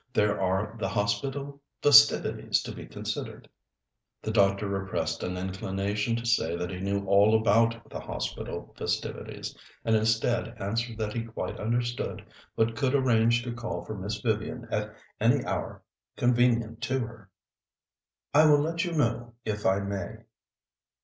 There are the Hospital festivities to be considered." The doctor repressed an inclination to say that he knew all about the Hospital festivities, and instead answered that he quite understood, but could arrange to call for Miss Vivian at any hour convenient to her. "I will let you know, if I may."